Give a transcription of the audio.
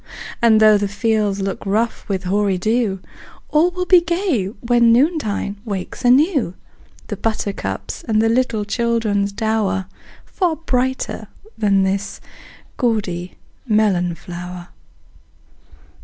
And though the fields look rough with hoary dew, All will be gay when noontide wakes anew The buttercups, the little children's dower Far brighter than this gaudy melon flower!